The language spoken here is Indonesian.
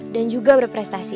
dan juga berprestasi